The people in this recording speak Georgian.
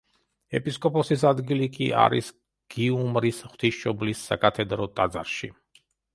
ეპისკოპოსის ადგილი კი არის გიუმრის ღვთისმშობლის საკათედრო ტაძარში.